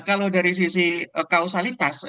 kalau dari sisi kausalitas